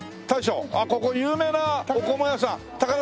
ここ有名なお米屋さん？